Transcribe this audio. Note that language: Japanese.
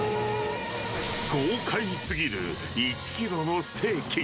豪快すぎる１キロのステーキ。